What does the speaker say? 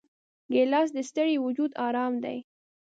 ګیلاس د ستړي وجود آرام دی.